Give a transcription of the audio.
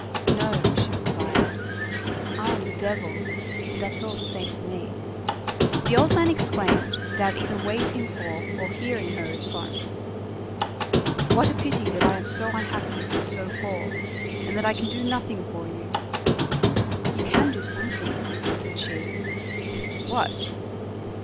"No," she replied. "I am the devil, but that's all the same to me." The old man exclaimed, without either waiting for or hearing her response:— "What a pity that I am so unhappy and so poor, and that I can do nothing for you!" "You can do something," said she. "What?"